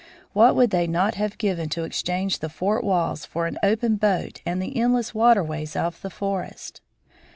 What would they not have given to exchange the fort walls for an open boat and the endless waterways of the forest?